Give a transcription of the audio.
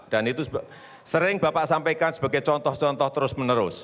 dan itu sering bapak sampaikan sebagai contoh contoh terus menerus